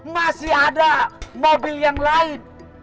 masih ada mobil yang lain